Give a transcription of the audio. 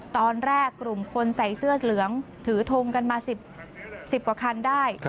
ตอนแรกกลุ่มคนใส่เสื้อเหลืองถือทงกันมา๑๐กว่าคันได้